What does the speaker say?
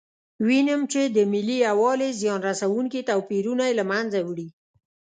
وینم چې د ملي یووالي زیان رسونکي توپیرونه یې له منځه وړي.